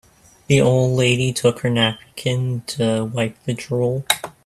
The old lady took her napkin to wipe the drool.